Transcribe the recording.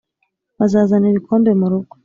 bazazana ibikombe murugo